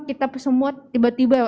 kita semua tiba tiba